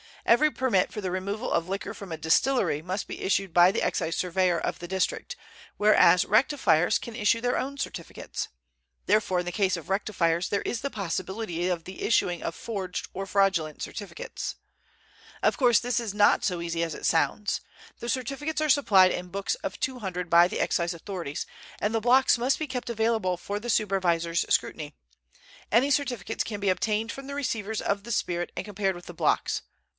Every permit for the removal of liquor from a distillery must be issued by the excise surveyor of the district, whereas rectifiers can issue their own certificates. Therefore in the case of rectifiers there is the possibility of the issuing of forged or fraudulent certificates. Of course this is not so easy as it sounds. The certificates are supplied in books of two hundred by the Excise authorities, and the blocks must be kept available for the supervisor's scrutiny. Any certificates can be obtained from the receivers of the spirit and compared with the blocks.